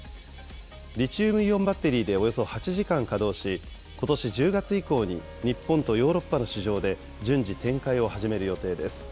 リチウムイオンバッテリーでおよそ８時間稼働し、今年１０月以降に、日本とヨーロッパの市場で順次、展開を始める予定です。